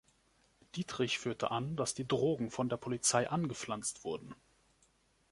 Dietrich führte an, dass die Drogen von der Polizei angepflanzt wurden.